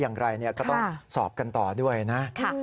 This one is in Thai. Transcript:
อย่างไรก็ต้องสอบกันต่อด้วยนะ